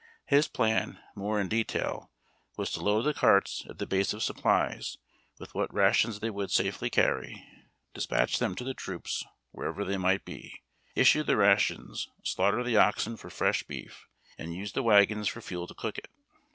His plan, more in detail, was to load the carts at THE "bull train." the base of supplies with what rations they would safely carry, despatch them to the troops wherever they might be. issue the rations, slaughter the oxen for fresh beef, and use the wagons for fuel to cook it.